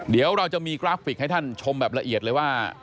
เดี๋ยวเราจะมีกราฟิกให้ท่านชมแบบละเอียดเลยว่า